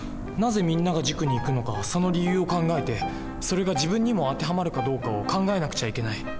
なぜみんなが塾に行くのかその理由を考えてそれが自分にも当てはまるかどうかを考えなくちゃいけない。